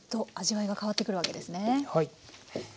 はい。